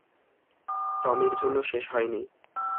টমির জন্য শেষ হয়নি।